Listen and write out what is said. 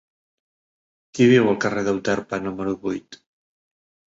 Qui viu al carrer d'Euterpe número vuit?